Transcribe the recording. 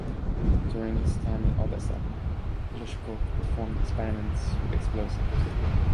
During his time in Odessa, Glushko performed experiments with explosives.